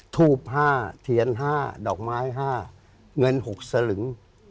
ทูบ๕เทียน๕ดอกไม้๕เงิน๖สลึง